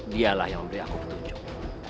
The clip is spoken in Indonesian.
dialah yang memberi aku petunjuk